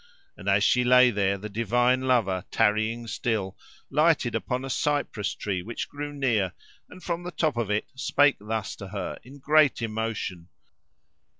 And as she lay there, the divine lover, tarrying still, lighted upon a cypress tree which grew near, and, from the top of it, spake thus to her, in great emotion.